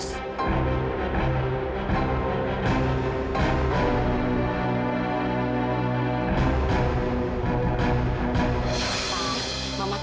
selanjutnya gak ada yang dibolong padat